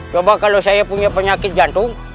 coba kalau saya punya penyakit jantung